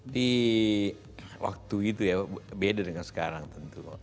di waktu itu ya beda dengan sekarang tentu